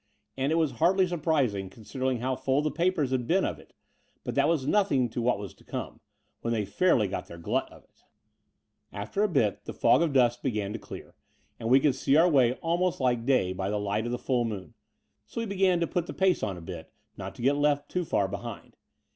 And it was hardly surprising considering how full the papers had been of it : but that was nothing to what was to come, when they fairly got their glut of it. 26 The Door of the Unreal After a bit the fog of dust began to dear, and we could see our way almost like day by the light of the full moon : so we began to put the pace on a bit not to get left too far behind.